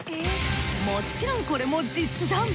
もちろんこれも実弾。